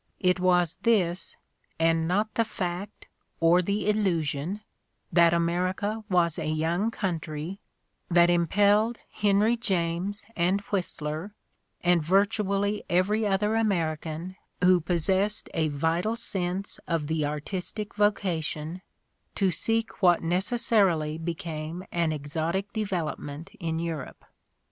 It was this, and not the fact, or the illusion, that America was a "young" country, that impelled Henry James and Whistler, and virtually every other American who possessed a vital sense of the artistic vocation, to seek what necessarily became an exotic development in Europe.